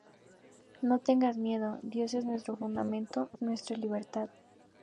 No tengas miedo, Dios es nuestro fundamento, nuestra libertad.